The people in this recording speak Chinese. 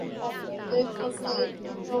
它们主要吃鱼类。